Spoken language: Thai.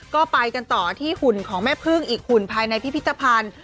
ก็ไปกันต่อที่หุ่นของแม่พึ่งอีกหุ่นภายในพิพิธภัณฑ์